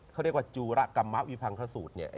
เขาเรียกว่าจูระกรรมมะวิพังคสูตรเนี่ย